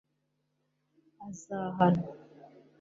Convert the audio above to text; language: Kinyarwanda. azahanwa